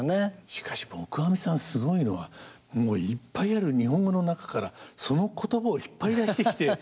しかし黙阿弥さんすごいのはもういっぱいある日本語の中からその言葉を引っ張り出してきて。